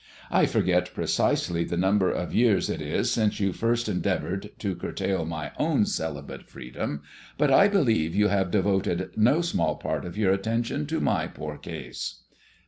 I forget precisely the number of years it is since you first endeavored to curtail my own celibate freedom, but I believe you have devoted no small part of your attention to my poor case."